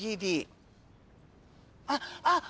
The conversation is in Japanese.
あっあっ！